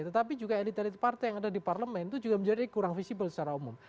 tetapi juga elit elit partai yang ada di parlemen itu juga menjadi kurang visible secara umum